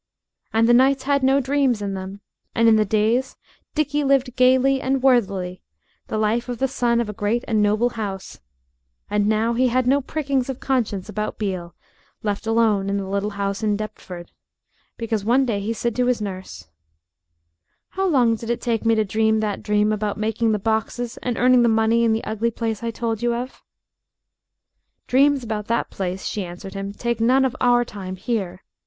And the nights had no dreams in them, and in the days Dickie lived gaily and worthily, the life of the son of a great and noble house, and now he had no prickings of conscience about Beale, left alone in the little house in Deptford. Because one day he said to his nurse "How long did it take me to dream that dream about making the boxes and earning the money in the ugly place I told you of?" "Dreams about that place," she answered him, "take none of our time here.